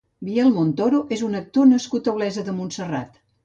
Biel Montoro és un actor nascut a Olesa de Montserrat.